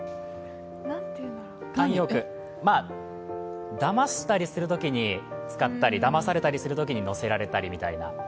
慣用句、だましたりするときに使ったり、だまされたりするときにのせられたりみたいな。